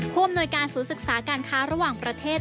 ผ่วมหน่วยการสูตรศึกษาการค้าระหว่างประเทศ